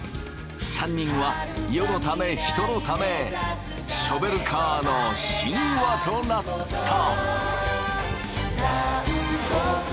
３人は世のため人のためショベルカーの神話となった。